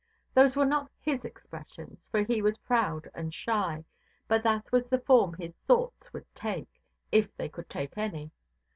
Those were not his expressions, for he was proud and shy; but that was the form his thoughts would take, if they could take any.